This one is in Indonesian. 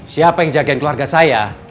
siapa yang jagain keluarga saya